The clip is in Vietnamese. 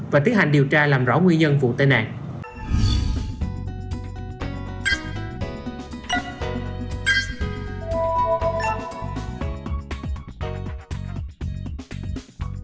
và tiến hành điều tra làm rõ nguyên nhân vụ tai nạn